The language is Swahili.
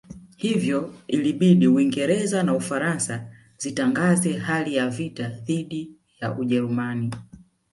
Hivyo ilibidi Uingereza na Ufaransa zitangaze hali ya vita dhidi ya Ujerumani